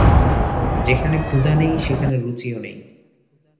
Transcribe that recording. যেখানে ক্ষুধা নেই, সেখানে রুচিও নেই।